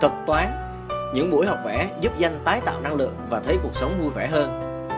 tật toán những buổi học vẽ giúp danh tái tạo năng lượng và thấy cuộc sống vui vẻ hơn